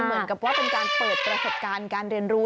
เหมือนกับว่าเป็นการเปิดประสบการณ์การเรียนรู้